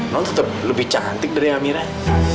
non tetap lebih cantik dari amerika